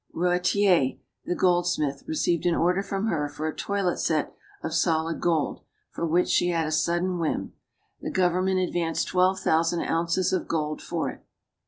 Roettiers, the goldsmith, received an order from her for a toilet set of solid gold for which she had a sudden whim. The 200 STORIES OF THE SUPER WOMEN government advanced twelve thousand ounces of gold for it.